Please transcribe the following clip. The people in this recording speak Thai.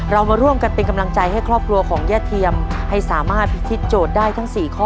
เรามาร่วมกันเป็นกำลังใจให้ครอบครัวของย่าเทียมให้สามารถพิธีโจทย์ได้ทั้ง๔ข้อ